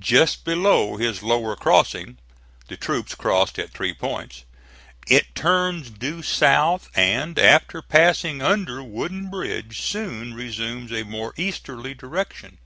Just below his lower crossing the troops crossed at three points it turns due south, and after passing under Wooden Bridge soon resumes a more easterly direction.